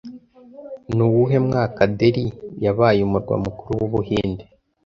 Ni uwuhe mwaka Delhi yabaye umurwa mukuru w'Ubuhinde